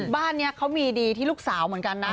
บ้านนี้เขามีดีที่ลูกสาวเหมือนกันนะ